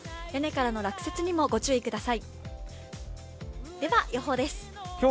屋根からの落雪にもご注意ください。